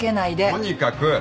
とにかく！